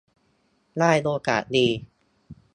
ได้โอกาสดี